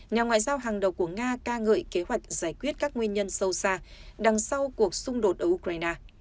nhà ngoại giao hàng đầu của nga ca ngợi kế hoạch giải quyết các nguyên nhân sâu xa đằng sau cuộc xung đột ở ukraine